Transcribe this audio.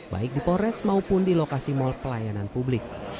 baik di polres maupun di lokasi mal pelayanan publik